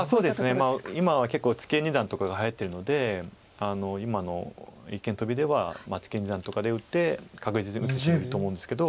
今は結構ツケ二段とかがはやってるので今の一間トビではツケ二段とかで打って確実に打つと思うんですけど。